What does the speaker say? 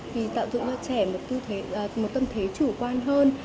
vì tạo dựng cho trẻ một tâm thế chủ quan hơn